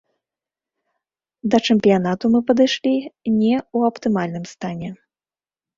Да чэмпіянату мы падышлі не ў аптымальным стане.